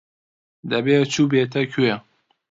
دەبێ چووبێتە کوێ.